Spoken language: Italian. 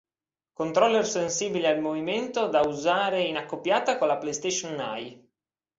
Controller sensibile al movimento da usare in accoppiata con la PlayStation Eye.